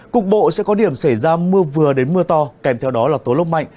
cục bộ sẽ có điểm xảy ra mưa vừa đến mưa to kèm theo đó là tố lốc mạnh